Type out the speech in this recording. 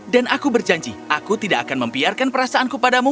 dan aku berjanji aku tidak akan membiarkan perasaanku padamu